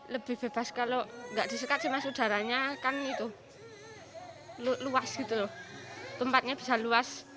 lebih bebas kalau nggak disekat sih mas udaranya kan itu luas gitu loh tempatnya bisa luas